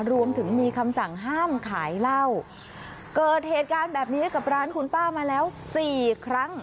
รวมถึงมีคำสั่งห้ามขายเหล้าเกิดเหตุการณ์แบบนี้กับร้านคุณป้ามาแล้วสี่ครั้ง